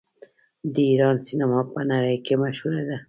د ایران سینما په نړۍ کې مشهوره ده.